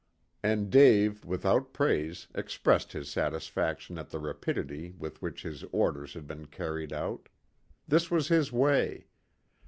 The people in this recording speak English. And Dave without praise expressed his satisfaction at the rapidity with which his orders had been carried out. This was his way.